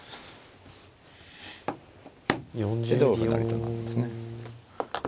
同歩成と成るんですね。